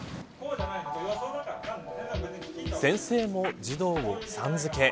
先生も児童をさん付け。